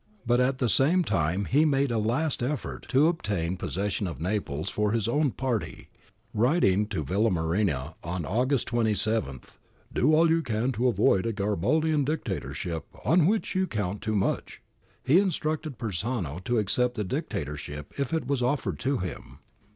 ^ But at the same time he made a last effort to obtain possession of Naples for his own party, writing to Villamarina on August 27, ' Do all you can to avoid a Garibaldian Dictatorship, on which you count too much ' He instructed Persano to accept the Dictatorship if it was offered to him.